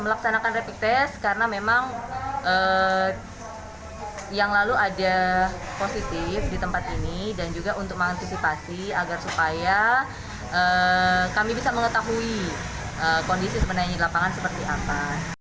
melaksanakan rapid test karena memang yang lalu ada positif di tempat ini dan juga untuk mengantisipasi agar supaya kami bisa mengetahui kondisi sebenarnya di lapangan seperti apa